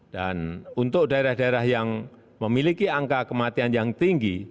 dan untuk daerah daerah yang memiliki angka kematian yang tinggi